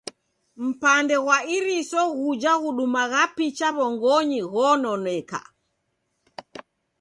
Mpande ghwa iriso ghuja ghudumagha picha w'ongonyi ghononeka.